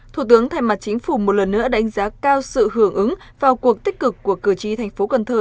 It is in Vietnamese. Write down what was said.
thủ tướng thay mặt chính phủ một lần nữa đánh giá cao sự hưởng ứng vào cuộc tích cực của cử tri thành phố cần thơ